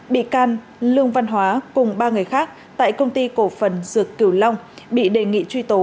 bị can lương văn hóa cùng ba người khác tại công ty cổ phần dược cửu long bị đề nghị truy tố